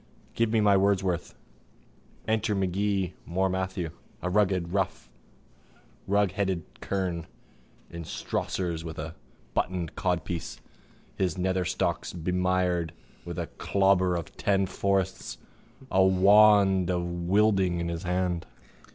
Give me my Wordsworth. Enter Magee Mor Matthew, a rugged rough rugheaded kern, in strossers with a buttoned codpiece, his nether stocks bemired with clauber of ten forests, a wand of wilding in his hand.